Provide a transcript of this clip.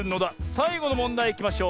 さいごのもんだいいきましょう。